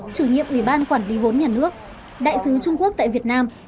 chủ nhiệm ủy ban quản lý vốn nhà nước đại sứ trung quốc tại việt nam